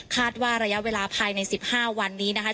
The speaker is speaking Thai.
ว่าระยะเวลาภายใน๑๕วันนี้นะคะ